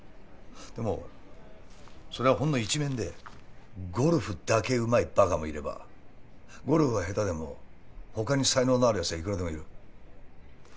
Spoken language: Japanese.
でもそれはほんの一面でゴルフだけうまいバカもいればゴルフは下手でも他に才能のあるやつはいくらでもいる。